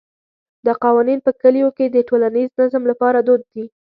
دا قوانین په کلیو کې د ټولنیز نظم لپاره دود دي.